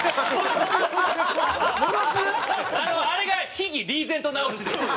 あれが秘技リーゼント直しです。